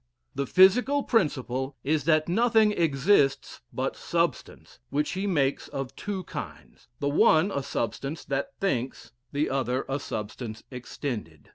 The physical principle is that nothing exists but substance, which he makes of two kinds the one a substance that thinks, the other a substance extended.